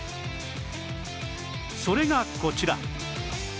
それがこちら